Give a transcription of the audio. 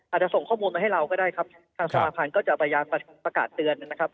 ส่งข้อมูลมาให้เราก็ได้ครับทางสมาภัณฑ์ก็จะพยายามประกาศเตือนนะครับ